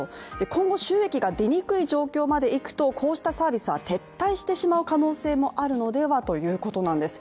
今後収益が出にくい状況までいくとこうしたサービスは撤退してしまう可能性もあるのではということなんです。